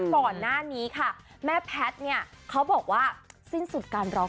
ก่อนหน้านี้ค่ะแม่แพทย์เนี่ยเขาบอกว่าสิ้นสุดการร้อง